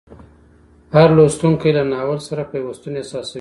هر لوستونکی له ناول سره پیوستون احساسوي.